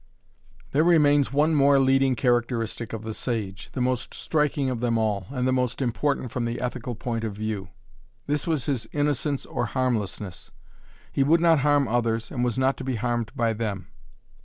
There remains one more leading characteristic of the sage, the most striking of them all, and the most important from the ethical point of view. This was his innocence or harmlessness. He would not harm others and was not to be harmed by them.